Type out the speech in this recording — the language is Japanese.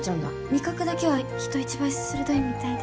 味覚だけは人一倍鋭いみたいで。